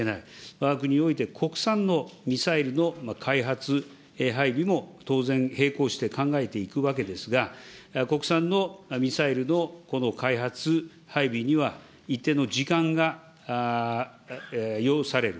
わが国において国産のミサイルの開発、配備も当然、並行して考えていくわけですが、国産のミサイルの開発、配備には一定の時間が要される。